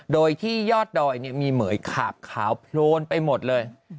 โดยที่ยอดดอยมีเหมือยขาบขาวโพลนไปหมดเลย